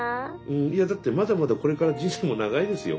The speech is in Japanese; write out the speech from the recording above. いやだってまだまだこれから人生も長いですよ。